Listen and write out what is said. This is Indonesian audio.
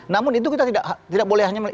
namun itu kita tidak boleh hanya